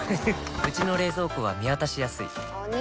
うちの冷蔵庫は見渡しやすいお兄！